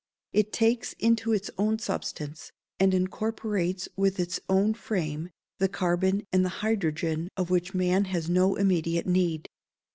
It takes into its own substance, and incorporates with its own frame, the carbon and the hydrogen of which man has no immediate need.